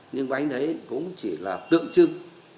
nhưng bánh đấy cũng chỉ là tượng trưng